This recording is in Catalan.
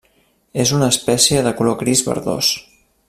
És una espècie de color gris verdós.